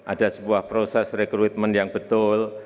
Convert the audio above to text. ada sebuah proses rekrutmen yang betul